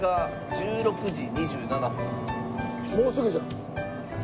もうすぐじゃん。